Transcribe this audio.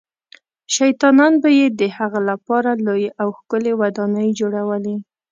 شیطانان به یې د هغه لپاره لویې او ښکلې ودانۍ جوړولې.